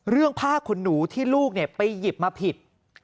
เรื่องผ้าขนหนูที่ลูกไปหยิบมาผิด